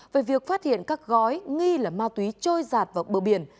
về việc phát hiện các gói nghi là ma túy trôi giạt vào bờ biển